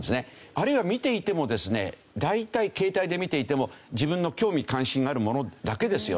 あるいは見ていてもですね大体携帯で見ていても自分の興味関心があるものだけですよね。